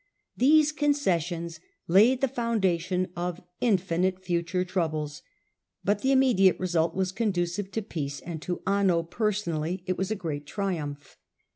These con cessions laid the foundation of infinite future troubles, but the immediate result was conducive to peace, and to Anno personally it was a great triumph.